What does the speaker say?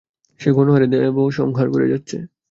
সে গণহারে দেবসংহার করে যাচ্ছে।